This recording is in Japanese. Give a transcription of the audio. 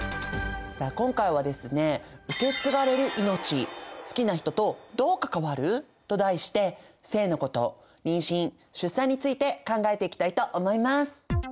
さあ今回はですねと題して性のこと妊娠出産について考えていきたいと思います。